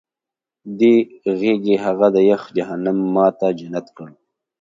دې غېږې هغه د یخ جهنم ما ته جنت کړ